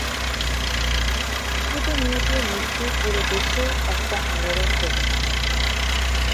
ছোট মেয়েটির মৃত্যু পুরো দেশে একটা আলোড়ন তোলে।